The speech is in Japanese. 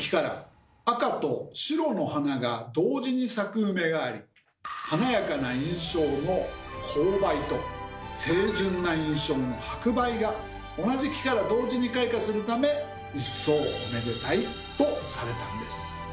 このがあり華やかな印象の紅梅と清純な印象の白梅が同じ木から同時に開花するため一層おめでたいとされたんです。